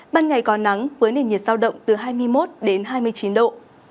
ban ngày có nắng với nền nhiệt sao động từ hai mươi một đến hai mươi chín độ